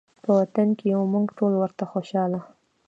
په وطن کې یو مونږ ټول ورته خوشحاله